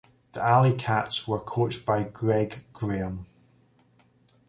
The Alley Cats were coached by Greg Graham.